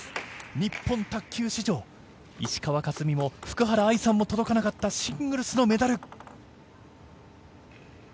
日本卓球史上石川佳純も福原愛さんも届かなかったシングルスのメダル。